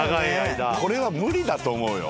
これは無理だと思うよ。